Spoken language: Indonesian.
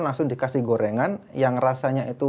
langsung dikasih gorengan yang rasanya itu